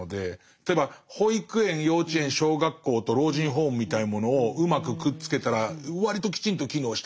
例えば保育園幼稚園小学校と老人ホームみたいなものをうまくくっつけたら割ときちんと機能したとかということがあったりとか。